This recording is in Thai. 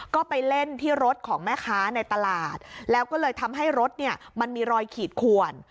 ก็ไปเล่นที่รถของแม่ค้าในตลาดแล้วก็เลยทำให้รถเนี่ยมันมีรอยขีดขวน